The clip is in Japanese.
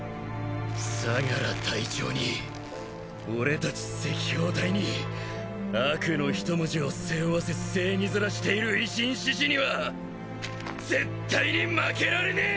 相楽隊長に俺たち赤報隊に悪の一文字を背負わせ正義ヅラしている維新志士には絶対に負けられねえ！